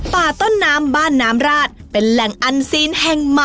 ป่าต้นน้ำบ้านน้ำราชเป็นแหล่งอันซีนแห่งใหม่